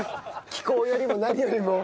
気候よりも何よりも。